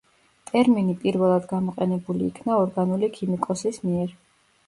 ტერმინი პირველად გამოყენებული იქნა ორგანული ქიმიკოსის მიერ.